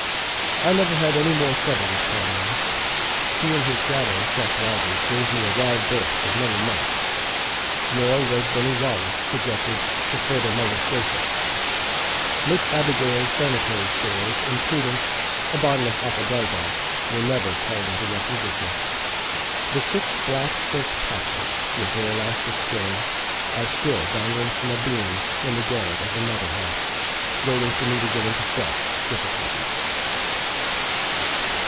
I never had any more trouble with Conway. He and his shadow, Seth Rodgers, gave me a wide berth for many months. Nor was Binny Wallace subjected to further molestation. Miss Abigail's sanitary stores, including a bottle of opodeldoc, were never called into requisition. The six black silk patches, with their elastic strings, are still dangling from a beam in the garret of the Nutter House, waiting for me to get into fresh difficulties.